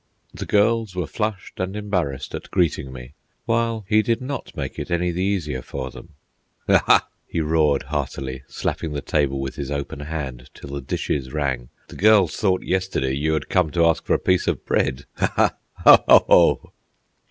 The girls were flushed and embarrassed at greeting me, while he did not make it any the easier for them. "Ha! ha!" he roared heartily, slapping the table with his open hand till the dishes rang. "The girls thought yesterday you had come to ask for a piece of bread! Ha! ha!